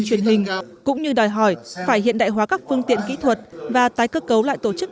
truyền hình cũng như đòi hỏi phải hiện đại hóa các phương tiện kỹ thuật và tái cơ cấu lại tổ chức